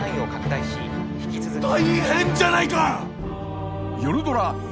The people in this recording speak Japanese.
大変じゃないか。